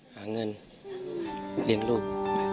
หาเงินเรียนลูก